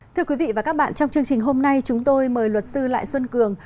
thưa quý vị và các bạn trong chương trình hôm nay chúng tôi mời luật sư lại xuân cường